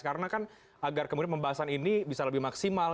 karena kan agar kemudian pembahasan ini bisa lebih maksimal